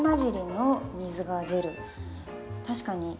確かに。